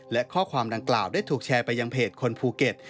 และข้อความดังกล่าวได้ถูกแชร์ไปยังเพจคนภูเก็ต